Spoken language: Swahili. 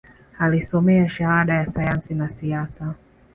Alisomea Shahada ya Sayansi ya Siasa